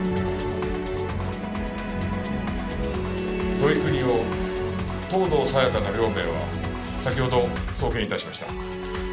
土居邦夫藤堂沙也加の両名は先ほど送検致しました。